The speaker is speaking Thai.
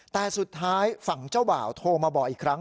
แต่สุดท้ายฝั่งเจ้าบ่าวโทรมาบอกอีกครั้ง